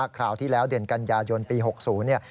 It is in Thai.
คราวที่แล้วเดือนกันยายนปี๖๐เนี่ย